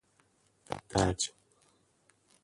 درج